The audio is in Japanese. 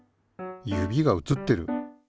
指が映ってる。